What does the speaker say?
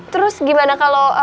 terus gimana kalo